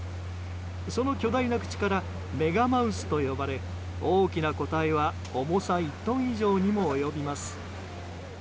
その巨大な口からメガマウスと呼ばれ大きな個体は重さ１トン以上にも及びます。